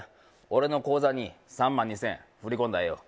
俺の口座に３万２０００円振り込んだらええよ